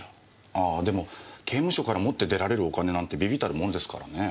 ああでも刑務所から持って出られるお金なんて微々たるもんですからねぇ。